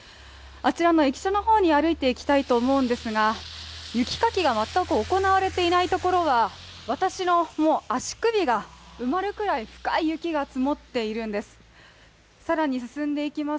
あちらの駅舎の方に歩いていきたいと思うんですが雪かきが全く行われていないところは私の足首が埋まるくらい深い雪が積もっているんです。